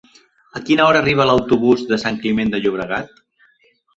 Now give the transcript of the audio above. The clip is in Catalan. A quina hora arriba l'autobús de Sant Climent de Llobregat?